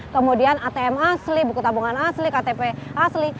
kemudian atm asli buku tabungan asli ktp asli